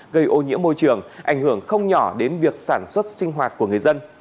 gây ô nhiễm môi trường ảnh hưởng không nhỏ đến việc sản xuất sinh hoạt của người dân